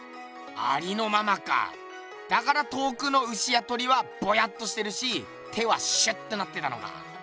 ありのままかだから遠くの牛や鳥はぼやっとしてるし手はシュッとなってたのか。